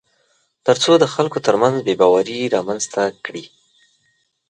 تر څو د خلکو ترمنځ بېباوري رامنځته کړي